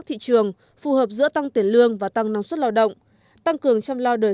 của thị trường phù hợp giữa tăng tiền lương và tăng năng suất lao động tăng cường trong lao đời